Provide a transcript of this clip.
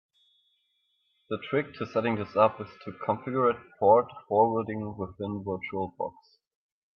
The trick to setting this up is to configure port forwarding within Virtual Box.